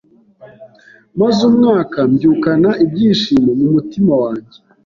Maze umwaka mbyukana ibyishimo mu mutima wanjye.